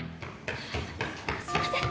すいません！